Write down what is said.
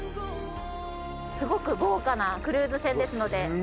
すごく豪華なクルーズ船ですので。